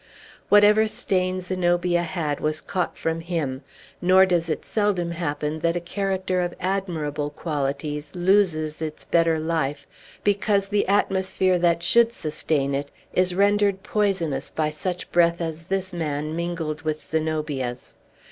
Whatever stain Zenobia had was caught from him; nor does it seldom happen that a character of admirable qualities loses its better life because the atmosphere that should sustain it is rendered poisonous by such breath as this man mingled with Zenobia's.